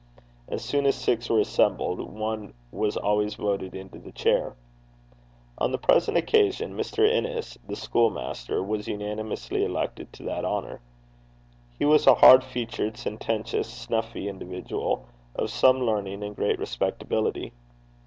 As soon as six were assembled, one was always voted into the chair. On the present occasion, Mr. Innes, the school master, was unanimously elected to that honour. He was a hard featured, sententious, snuffy individual, of some learning, and great respectability.